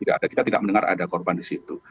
kita tidak mendengar ada korban di situ